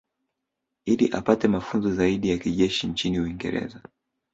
Ili apate mafunzo zaidi ya kijeshi nchini Uingereza